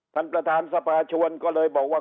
ท่านประธานสภาชวนก็เลยบอกว่า